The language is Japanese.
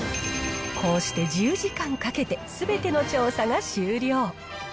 こうして１０時間かけて、すべての調査が終了。